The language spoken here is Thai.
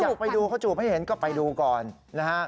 อยากไปดูเขาจูบให้เห็นก็ไปดูก่อนนะฮะ